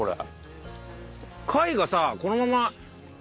貝がさこのまま。